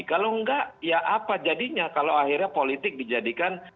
kalau enggak ya apa jadinya kalau akhirnya politik dijadikan